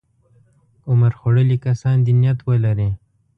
عمر خوړلي کسان دې نیت ولري.